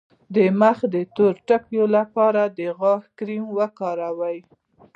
د مخ د تور ټکو لپاره د غاښونو کریم وکاروئ